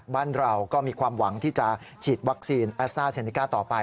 บ้านเราก็มีความหวังที่จะฉีดวัคซีนแอสต้าเซเนก้าต่อไป